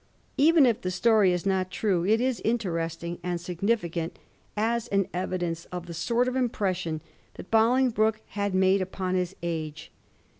' Even if the story be not true it is interesting and significant as an evidence of the sort of impression which Bolingbroke had made upon his age.